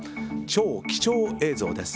超貴重映像です。